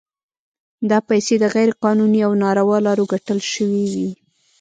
دا پیسې د غیر قانوني او ناروا لارو ګټل شوي وي.